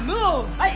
はい！